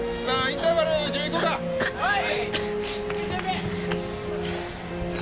はい！